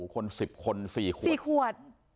คน๑๐คน๔ขวด